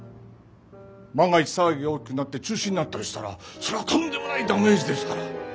万が一騒ぎが大きくなって中止になったりしたらそりゃとんでもないダメージですから。